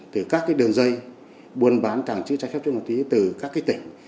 từ các đường dây buôn bán tàng trữ trái phép chất ma túy từ các tỉnh